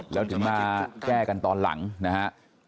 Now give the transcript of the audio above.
แล้วถึงมาแก้กันตอนหลังนะฮะ